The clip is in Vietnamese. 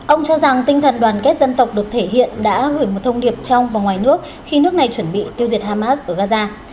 ông cho rằng tinh thần đoàn kết dân tộc được thể hiện đã gửi một thông điệp trong và ngoài nước khi nước này chuẩn bị tiêu diệt hamas ở gaza